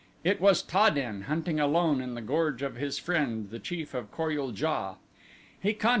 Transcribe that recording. It was Ta den hunting alone in the gorge of his friend, the chief of Kor ul JA.